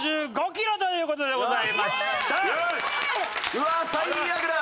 うわ最悪だ！